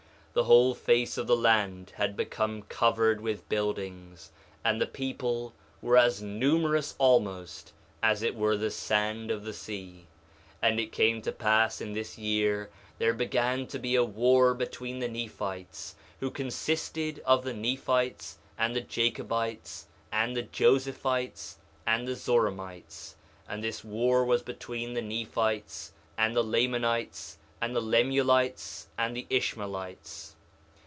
1:7 The whole face of the land had become covered with buildings, and the people were as numerous almost, as it were the sand of the sea. 1:8 And it came to pass in this year there began to be a war between the Nephites, who consisted of the Nephites and the Jacobites and the Josephites and the Zoramites; and this war was between the Nephites, and the Lamanites and the Lemuelites and the Ishmaelites.